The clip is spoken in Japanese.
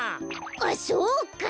あっそうか！